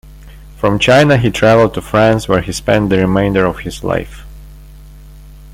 From China, he travelled to France, where he spent the remainder of his life.